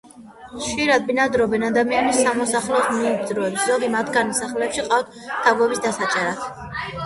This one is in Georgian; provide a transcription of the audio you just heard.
ხშირად ბინადრობენ ადამიანის სამოსახლოს მიდამოებში, ზოგი მათგანი სახლებში ჰყავთ თაგვების დასაჭერად.